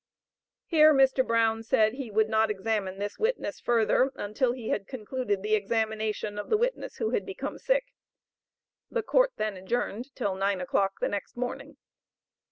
Here Mr. Brown said he would not examine this witness further until he had concluded the examination of the witness, who had become sick. The court then adjourned till nine o'clock the next morning.